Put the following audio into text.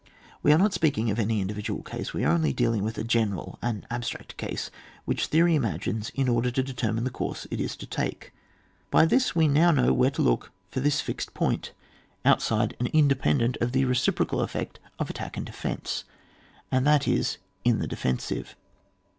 We are not speaking of any individual case ; we are only dealing with a general, an abstract case, which Qieoiy imagines in order to determine the course it is to take. By this we now know where to look for this fixed point, outside and inde pendent of the reciprocal effect of attack and defence, and that it is in the defen sive.